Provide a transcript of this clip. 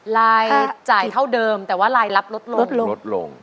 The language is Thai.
รายจ่ายเท่าเดิมแต่ว่ารายรับลดลง